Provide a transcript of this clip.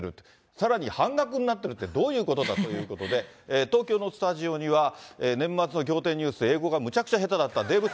さらに半額になってるってどういうことかということで、東京のスタジオには、年末の仰天ニュース、英語がむちゃくちゃ下手だった、デーブ・ス